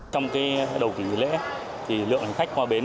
trong đầu kỳ nghỉ lễ thì lượng hành khách qua bến